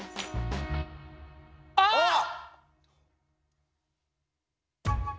あ！